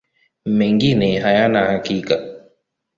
Mengine hayana hakika.